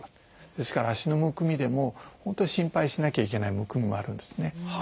ですから足のむくみでも本当に心配しなきゃいけないむくみもあるんですね。